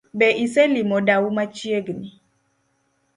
Be iselimo dau machiegni?